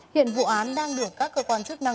hiện vụ án đang được các cơ quan chức năng